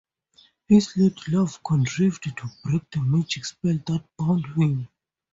His ladylove contrived to break the magic spell that bound him.